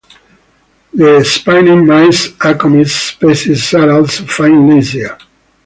The spiny mice, "Acomys" species, are also found in Asia.